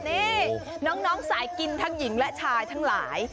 นี่น้องสายกินทั้งหญิงและชายทั้งหลาย